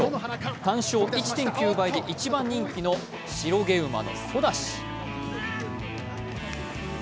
単勝１．９倍で一番人気の白毛馬のソダシ。